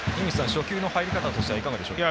初球の入り方としてはいかがでしょうか。